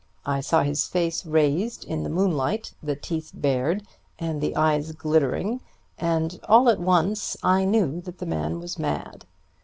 I saw his face raised in the moonlight, the teeth bared and the eyes glittering, and all at once I knew that the man was mad.